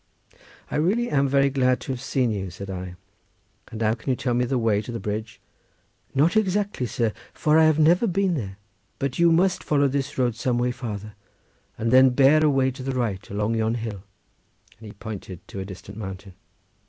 "I really am very glad to have seen you," said I; "and now can you tell me the way to the bridge?" "Not exactly, sir, for I have never been there, but you must follow this road some way farther, and then bear away to the right along yon hill"—and he pointed to a distant mountain.